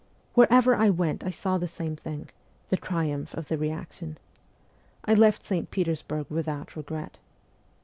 Wherever I went I saw the same thing the triumph of the reaction. I left St. Petersburg without regret.